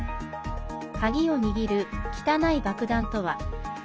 カギを握る「汚い爆弾」とは？